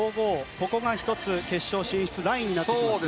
ここが１つ決勝進出ラインになってきますね。